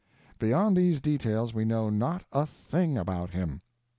Beyond these details we know not a thing about him.